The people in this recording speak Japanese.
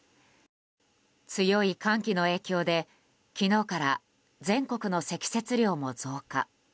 強い寒気の影響で昨日から全国の積雪量も増加。